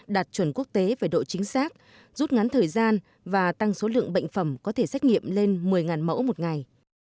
đạt chuẩn quốc tế về độ chính xác rút ngắn thời gian và tăng số lượng bệnh phẩm có thể xét nghiệm lên một mươi mẫu một ngày